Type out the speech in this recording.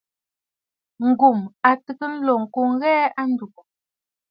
Ngum a tɨgə̀ ǹlo ŋkɔꞌɔ ŋghɛɛ a ndúgú.